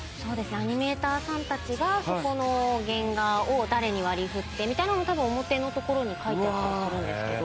アニメーターさんたちがそこの原画を誰に割り振ってみたいなのも多分表のところに書いてあったりするんですけど。